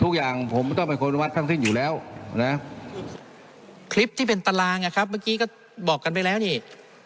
ขลิปที่เป็นตารางนะครับเมื่อกี้เราก็บอกกันไปแล้วเนี่ย